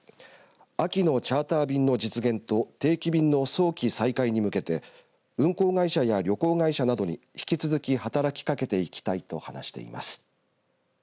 秋のチャーター便の実現と定期便の早期再開に向けて運行会社や旅行会社などに引き続き働きかけていきたいと話しています。